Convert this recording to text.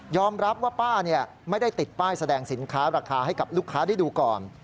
รับว่าป้าไม่ได้ติดป้ายแสดงสินค้าราคาให้กับลูกค้าได้ดูก่อน